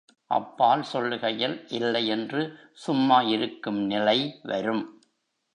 அப்பால் சொல்லுகைக்கு இல்லை என்று சும்மா இருக்கும் நிலை வரும்.